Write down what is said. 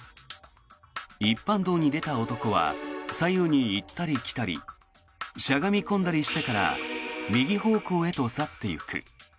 一般道に出た男は左右に行ったり来たりしゃがみ込んだりしてから右方向へと去っていく。